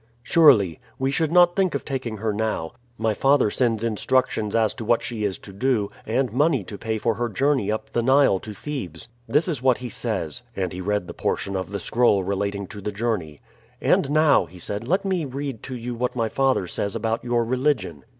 "Surely. We should not think of taking her now. My father sends instructions as to what she is to do, and money to pay for her journey up the Nile to Thebes. This is what he says." And he read the portion of the scroll relating to the journey. "And now," he said, "let me read to you what my father says about your religion.